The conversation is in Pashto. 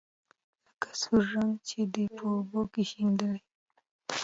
لکه سور رنګ چې دې په اوبو کې شېندلى وي.